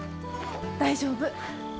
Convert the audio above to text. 大丈夫。